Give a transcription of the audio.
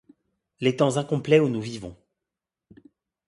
Les temps incomplets où nous vivons.